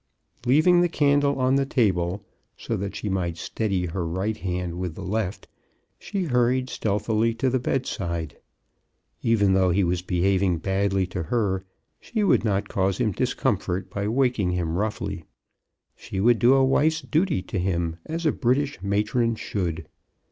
Leaving the candle on the table, so that she might steady her right hand with the left, she hurried stealthily to the bedside. Even though he was behaving badly to her, she would not cause him discomfort by waking him roughly. She would do a wife's duty to him as a British matron should.